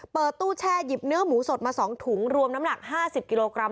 เปิดตู้แช่หยิบเนื้อหมูสดมา๒ถุงรวมน้ำหนัก๕๐กิโลกรัม